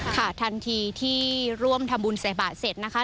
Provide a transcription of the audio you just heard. ค่ะทันทีที่ร่วมทำบุญใส่บาทเสร็จนะคะ